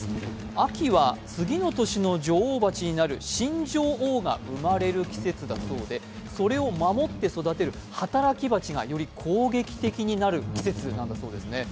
秋は次の年の女王蜂になる新女王が生まれる季節でして、それを守って育てる働き蜂がより攻撃的になる季節なんだそうですね。